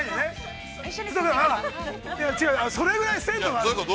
それぐらい鮮度があると？